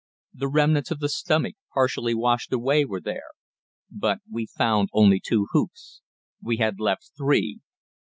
The remnants of the stomach, partially washed away, were there. But we found only two hoofs. We had left three.